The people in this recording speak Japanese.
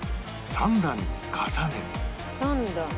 ３段。